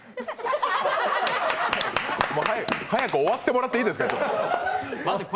早く終わってもらっいいですか？